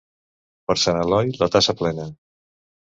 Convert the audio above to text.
Per Sant Eloi, la tassa plena.